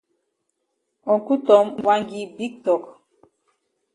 Uncle Tom wan gi big tok.